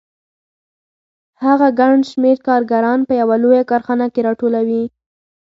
هغه ګڼ شمېر کارګران په یوه لویه کارخانه کې راټولوي